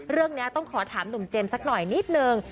เรื่องนี้ต้องขอถามหนุ่มเจมส์สักหน่อยนิดนึง